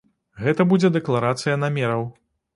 Гэта будзе дэкларацыя намераў.